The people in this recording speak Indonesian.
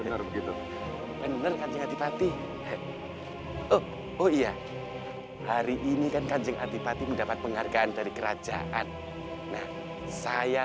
oh iya hari ini kan kanjeng adipati mendapat penghargaan dari kerajaan saya